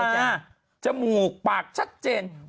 มีตาจมูกปากชัดเจน